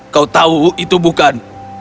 kau tahu itu bukan